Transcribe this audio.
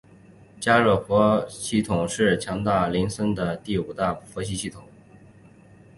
嘉热活佛系统是强巴林寺的第五大活佛系统。